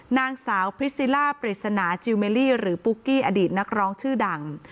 นางสาวพริซิล่าปริศนาจิลเมลลี่หรือปุ๊กกี้อดีตนักร้องชื่อดัง